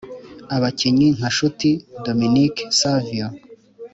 Abakinnyi nka Nshuti Dominique Savio